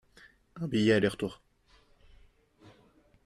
Un billet aller-retour.